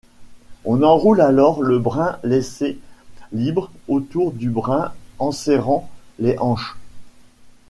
On enroule alors le brin laissé libre autour du brin enserrant les hanches.